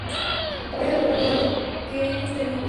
Es pareja del actor Juan Diego Botto, con quien tiene una hija.